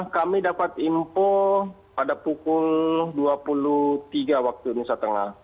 kami dapat info pada pukul dua puluh tiga waktu indonesia tengah